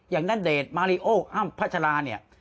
อย่างนั้นเดทมารีโออ้ำพระชราเนี่ย